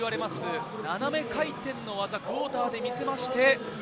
斜め回転の技、クォーターで見せて。